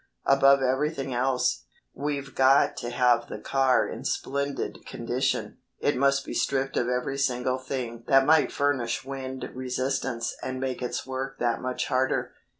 Above everything else, we've got to have the car in splendid condition. It must be stripped of every single thing that might furnish wind resistance and make its work that much harder.